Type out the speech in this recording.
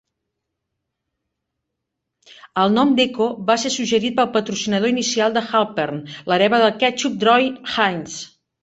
El nom d'Ecco va ser suggerit pel patrocinador inicial de Halpern, l'hereva del ketchup Drue Heinz.